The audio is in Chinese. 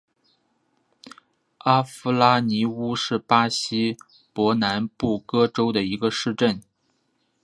阿夫拉尼乌是巴西伯南布哥州的一个市镇。